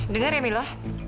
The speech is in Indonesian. dengar ya milo